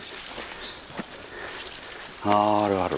あああるある。